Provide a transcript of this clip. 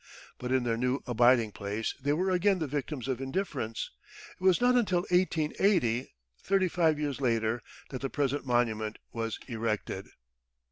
But in their new abiding place they were again the victims of indifference; it was not until 1880, thirty five years later, that the present monument was erected.